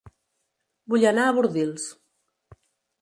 Vull anar a Bordils